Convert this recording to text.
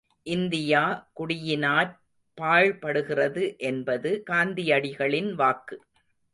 India குடியினாற் பாழ்படுகிறது என்பது காந்தியடிகளின் வாக்கு.